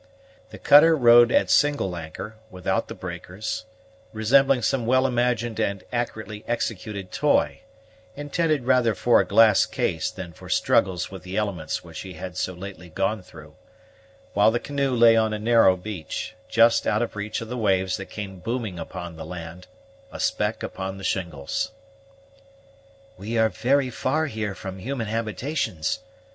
The cutter rode at single anchor, without the breakers, resembling some well imagined and accurately executed toy, intended rather for a glass case than for struggles with the elements which she had so lately gone through, while the canoe lay on the narrow beach, just out of reach of the waves that came booming upon the land, a speck upon the shingles. "We are very far here from human habitations!"